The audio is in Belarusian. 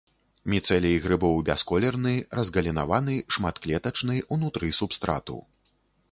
Міцэлій грыбоў бясколерны, разгалінаваны, шматклетачны, унутры субстрату.